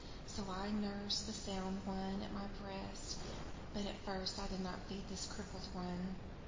So I nursed the sound one at my breast, but at first I did not feed this crippled one.